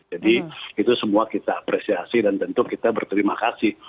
jadi itu semua kita apresiasi dan tentu kita berterima kasih